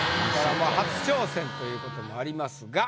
初挑戦ということもありますが。